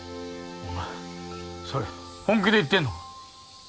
お前それ本気で言ってんのか